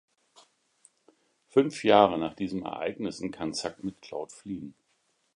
Fünf Jahre nach diesen Ereignissen kann Zack mit Cloud fliehen.